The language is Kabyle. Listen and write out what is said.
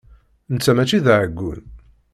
Netta mačči d aɛeggun.